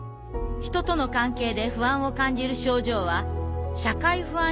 人との関係で不安を感じる症状は社会不安